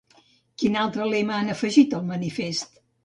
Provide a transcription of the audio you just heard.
Quin altre lema han afegit al manifest?